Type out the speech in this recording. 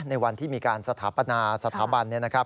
ในวันที่มีการสถาบันนะครับ